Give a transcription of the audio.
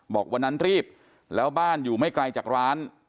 บอกวันนั้นรีบแล้วบ้านอยู่ไม่ไกลจากร้าน